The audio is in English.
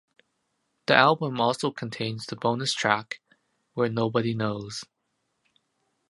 The album also contains the bonus track "Where Nobody Knows".